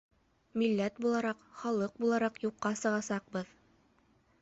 Милләт булараҡ, халыҡ булараҡ юҡҡа сығасаҡбыҙ.